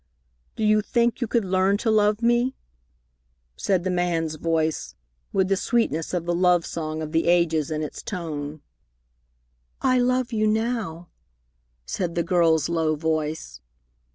"Do you think you could learn to love me?" said the man's voice, with the sweetness of the love song of the ages in its tone. "I love you now," said the girl's low voice.